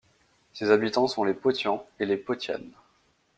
Ses habitants sont les Potians et les Potianes.